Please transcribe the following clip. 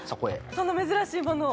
その珍しいものを？